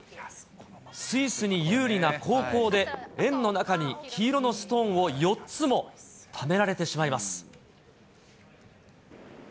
スイスに有利な後攻で、円の中に黄色のストーンを４つもためられてしまいます。